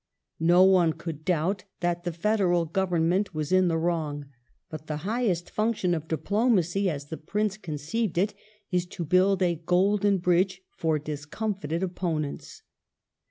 No one could doubt that the Federal Government was in the wrong ; but the highest function of diplomacy, as the Prince conceived it, is to build a golden bridge for discomfited opponents.